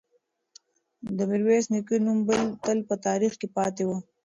د میرویس نیکه نوم به تل په تاریخ کې پاتې وي.